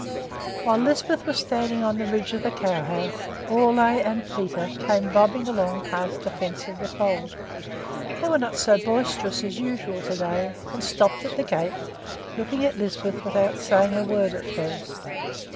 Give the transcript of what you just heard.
While Lisbeth was standing on the ridge of the cow house Ole and Peter came bobbing along past the fence of the fold. They were not so boisterous as usual to day, and stopped at the gate, looking at Lisbeth without saying a word at first.